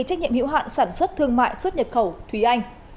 trách nhiệm hiệu hạn sản xuất thương mại xuất nhập khẩu thúy anh